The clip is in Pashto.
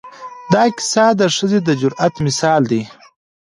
دا کیسه د ښځې د جرأت مثال دی.